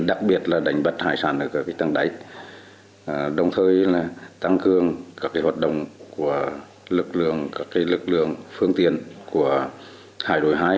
đặc biệt là đánh bắt hải sản ở các tầng đáy đồng thời tăng cường các hoạt động của lực lượng phương tiện của hải đội hai